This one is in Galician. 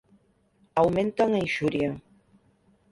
Aumentan a inxuria.